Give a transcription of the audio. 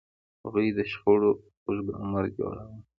هغوی د شخړو اوږد عمر جوړاوه.